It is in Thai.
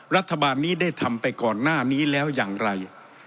รัฐบาลนี้ได้ทำไปก่อนหน้านี้แล้วอย่างไร